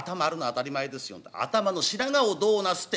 頭の白髪をどうなすって」